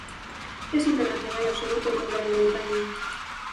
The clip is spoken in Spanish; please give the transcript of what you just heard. Es internacional absoluto con Gran Bretaña.